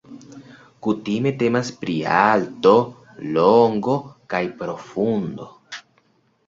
Kutime temas pri alto, longo kaj profundo.